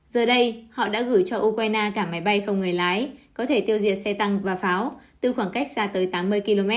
giờ đây họ đã gửi cho ukraine cả máy bay không người lái có thể tiêu diệt xe tăng và pháo từ khoảng cách xa tới tám mươi km